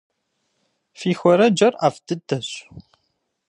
Фи хуэрэджэр ӏэфӏ дыдэщ.